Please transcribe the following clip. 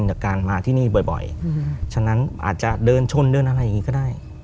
จากการมาที่นี่บ่อยฉะนั้นอาจจะเดินชนเดินอะไรอย่างนี้ก็ได้